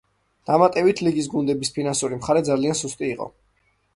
დამატებით, ლიგის გუნდების ფინანსური მხარე ძალიან სუსტი იყო.